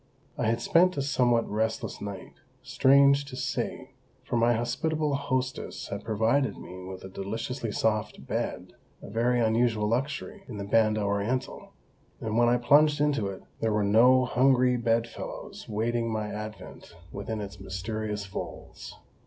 I had spent a somewhat restless night, strange to say, for my hospitable hostess had provided me with a deliciously soft bed, a very unusual luxury in the Banda Orientál, and when I plunged into it there were no hungry bedfellows waiting my advent within its mysterious folds.